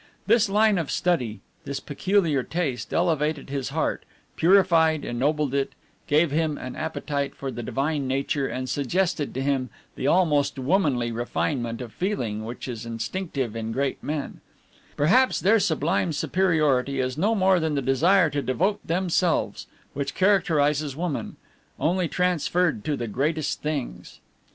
This line of study, this peculiar taste, elevated his heart, purified, ennobled it, gave him an appetite for the divine nature, and suggested to him the almost womanly refinement of feeling which is instinctive in great men; perhaps their sublime superiority is no more than the desire to devote themselves which characterizes woman, only transferred to the greatest things.